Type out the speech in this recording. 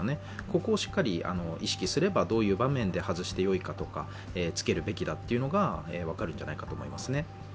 ここをしっかり意識すればどういう場面で外してよいかとか、つけるべきかというのが分かるんじゃないかと思いますね。